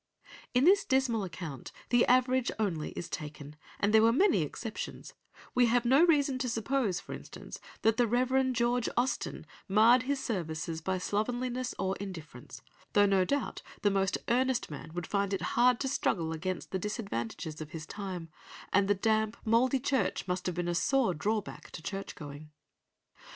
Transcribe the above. In this dismal account the average only is taken, and there were many exceptions; we have no reason to suppose, for instance, that the Rev. George Austen marred his services by slovenliness or indifference, though no doubt the most earnest man would find it hard to struggle against the disadvantages of his time, and the damp mouldy church must have been a sore drawback to church going.